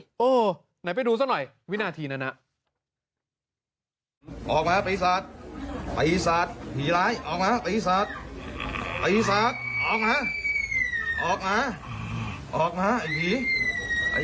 โอ้โหไหนไปดูซะหน่อยวินาทีนั้นน่ะ